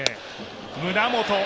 胸元！